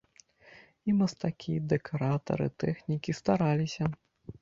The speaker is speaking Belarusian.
І мастакі, дэкаратары, тэхнікі стараліся.